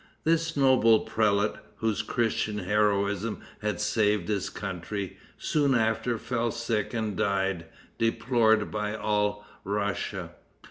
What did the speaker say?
This noble prelate, whose Christian heroism had saved his country, soon after fell sick and died, deplored by all Russia.